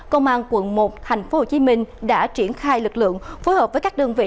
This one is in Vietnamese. công an quận một thành phố hồ chí minh đã triển khai lực lượng phối hợp với các đơn vị